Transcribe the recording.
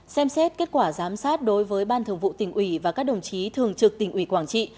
xem xét kết quả giám sát đối với ban thường vụ tỉnh ủy và các đồng chí thường trực tỉnh ủy quảng trị